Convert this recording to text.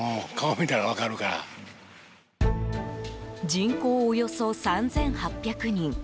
人口およそ３８００人。